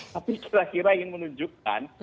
tapi kira kira ingin menunjukkan